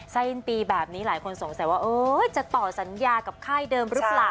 สิ้นปีแบบนี้หลายคนสงสัยว่าจะต่อสัญญากับค่ายเดิมหรือเปล่า